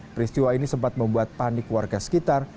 peristiwa ini sempat membuat panik warga sekitar